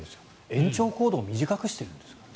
延長コードを短くしているんですから。